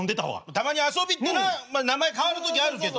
たまに遊びってな名前変わる時あるけど。